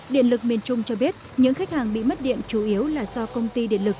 điện lực miền trung cho biết những khách hàng bị mất điện chủ yếu là do công ty điện lực